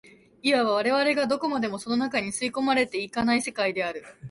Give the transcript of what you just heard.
いわば我々がどこまでもその中に吸い込まれ行く世界である。